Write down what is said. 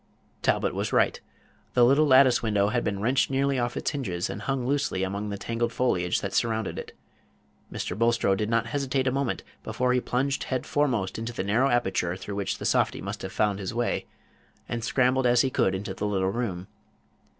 Talbot was right. The little lattice window had been wrenched nearly off its hinges, and hung loosely among the tangled foliage that surrounded it. Mr. Bulstrode did not hesitate a moment before he plunged head foremost into the narrow aperture through which the softy must have found his way, and scrambled as he could into the little room.